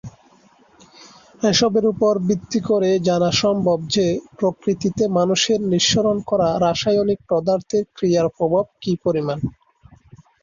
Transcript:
এসবের উপর ভিত্তি করে জানা সম্ভব যে প্রকৃতিতে মানুষের নিঃসরণ করা রাসায়নিক পদার্থের ক্রিয়ার প্রভাব কী পরিমাণ।